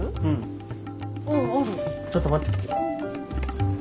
ちょっと持ってきて。